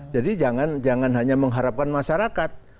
jangan hanya mengharapkan masyarakat